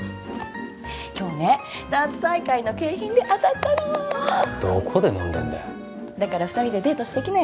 今日ねダーツ大会の景品で当たったのどこで飲んでんだよだから２人でデートしてきなよ